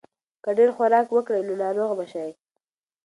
که ډېر خوراک وکړې نو ناروغه به شې.